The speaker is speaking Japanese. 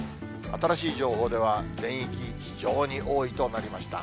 新しい情報では、全域、非常に多いとなりました。